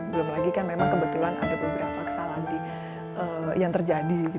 belum lagi kan memang kebetulan ada beberapa kesalahan yang terjadi